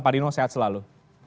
pak dino sehat selalu